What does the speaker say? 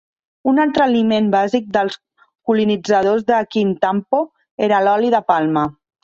Un altre aliment bàsic dels colonitzadors de Kintampo era l'oli de palma.